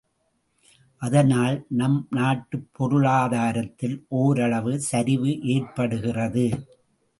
அதனால் நம் நாட்டுப் பொருளாதாரத்தில் ஓரளவு சரிவு ஏற்படுகிறது.